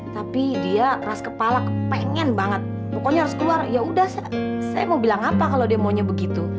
tapi dia keras kepala kepengen banget pokoknya harus keluar yaudah saya mau bilang apa kalau dia maunya begitu